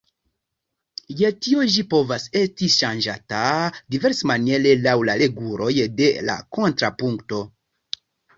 Je tio ĝi povas esti ŝanĝata diversmaniere laŭ la reguloj de la kontrapunkto.